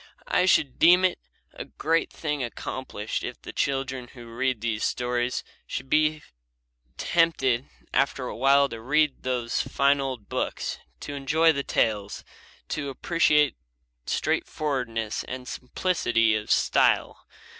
I should deem it a great thing accomplished if the children who read these stories should so be tempted after a while to read those fine old books, to enjoy the tales, to appreciate straightforwardness and simplicity of style.